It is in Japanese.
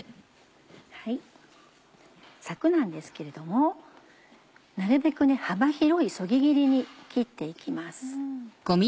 さくなんですけれどもなるべく幅広いそぎ切りに切って行きます。